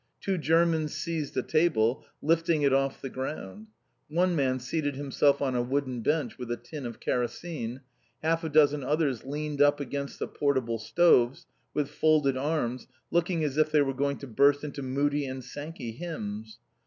Two Germans seized a table, lifting it off the ground. One man seated himself on a wooden bench with a tin of kerosene. Half a dozen others leaned up against the portable stoves, with folded arms, looking as if they were going to burst into Moody and Sankey hymns.